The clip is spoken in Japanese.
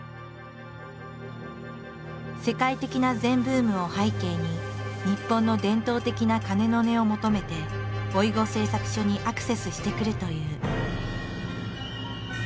世界的な禅ブームを背景に日本の伝統的な鐘の音を求めて老子製作所にアクセスしてくるという。